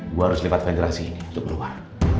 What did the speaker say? gua harus lipat fenderasi ini untuk keluar